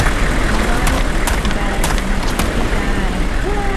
amaru qarakunachawmi taaran.